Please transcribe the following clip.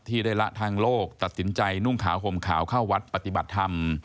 ได้ละทางโลกตัดสินใจนุ่งขาวห่มขาวเข้าวัดปฏิบัติธรรม